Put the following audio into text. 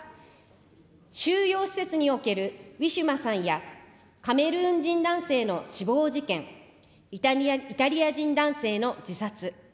収容施設におけるウィシュマさんや、カメルーン人男性の死亡事件、イタリア人男性の自殺。